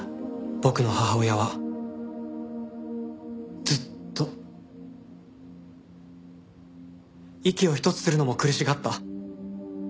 僕の母親はずっと息を一つするのも苦しがった。